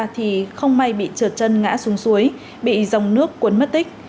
thì không may bị trượt chân ngã xuống suối bị dòng nước cuốn mất tích